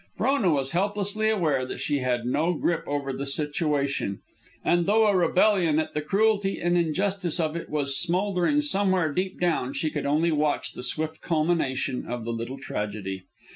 Frona was helplessly aware that she had no grip over the situation, and, though a rebellion at the cruelty and injustice of it was smouldering somewhere deep down, she could only watch the swift culmination of the little tragedy.